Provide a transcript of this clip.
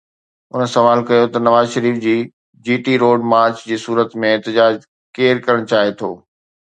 هن سوال ڪيو ته Nawaz Sharif G T road march جي صورت ۾ احتجاج ڪير ڪرڻ چاهي ٿو؟